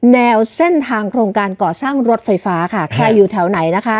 แนวเส้นทางโครงการก่อสร้างรถไฟฟ้าค่ะใครอยู่แถวไหนนะคะ